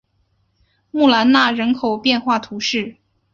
穆兰纳人口变化图示